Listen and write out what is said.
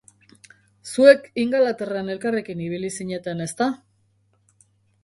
Zuek Ingalaterran elkarrekin ibili zineten, ezta?